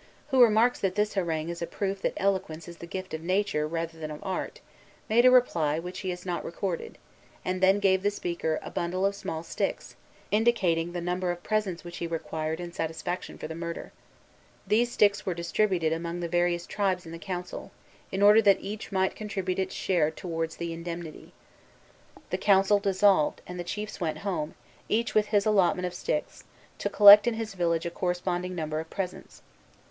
Ragueneau, who remarks that this harangue is a proof that eloquence is the gift of Nature rather than of Art, made a reply, which he has not recorded, and then gave the speaker a bundle of small sticks, indicating the number of presents which he required in satisfaction for the murder. These sticks were distributed among the various tribes in the council, in order that each might contribute its share towards the indemnity. The council dissolved, and the chiefs went home, each with his allotment of sticks, to collect in his village a corresponding number of presents.